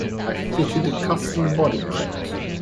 I fitted a custom body kit.